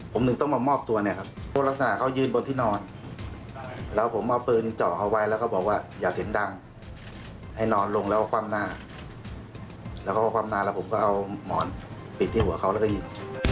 ผมถึงต้องมามอบตัวเนี่ยครับพวกลักษณะเขายืนบนที่นอนแล้วผมเอาปืนเจาะเขาไว้แล้วก็บอกว่าอย่าเสียงดังให้นอนลงแล้วคว่ำหน้าแล้วก็คว่ำหน้าแล้วผมก็เอาหมอนปิดที่หัวเขาแล้วก็ยิง